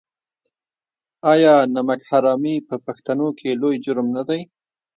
آیا نمک حرامي په پښتنو کې لوی جرم نه دی؟